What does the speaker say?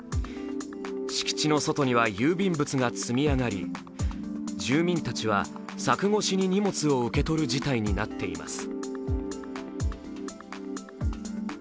敷地の外には郵便物が積み上がり、住民たちは柵越しに荷物を受け取る事態になっています。